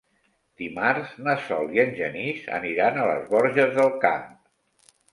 Dimarts na Sol i en Genís aniran a les Borges del Camp.